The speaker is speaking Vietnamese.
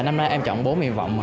năm nay em chọn bốn nguyện vọng